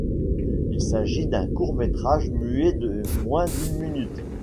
Il s'agit d'un court-métrage muet de moins d'une minute.